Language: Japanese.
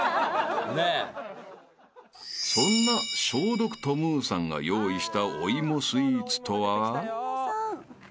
［そんな消毒トムーさんが用意したお芋スイーツとは？］